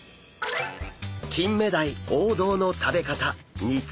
キンメダイ王道の食べ方煮つけ。